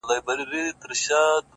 د رمز خبره يې د سونډو په موسکا کي نسته;